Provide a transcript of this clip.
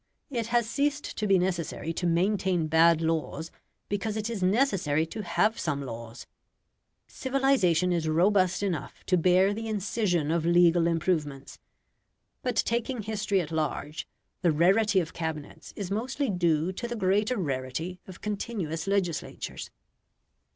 It has ceased to be necessary to maintain bad laws because it is necessary to have some laws. Civilisation is robust enough to bear the incision of legal improvements. But taking history at large, the rarity of Cabinets is mostly due to the greater rarity of continuous legislatures.